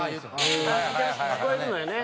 聞こえるのよね。